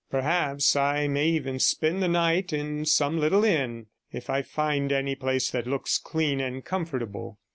Perhaps I may even spend the night in some little inn, if I find any place that looks clean and comfortable.'